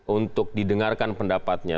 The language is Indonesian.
untuk didengarkan pendapatnya